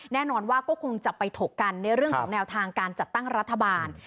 แน่นอนว่าก็คงจะไปถกกันในเรื่องของแนวทางการจัดตั้งรัฐบาล